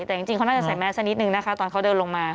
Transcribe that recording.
แต่จริงเขาน่าจะใส่แมสสักนิดนึงนะคะตอนเขาเดินลงมา